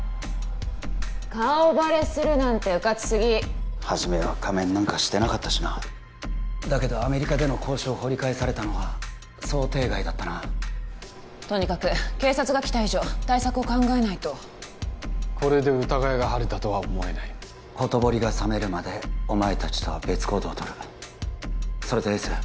顔バレするなんてうかつすぎはじめは仮面なんかしてなかったしなだけどアメリカでの交渉を掘り返されたのは想定外だったなとにかく警察が来た以上対策を考えないとこれで疑いが晴れたとは思えないほとぼりが冷めるまでお前たちとは別行動をとるそれでエース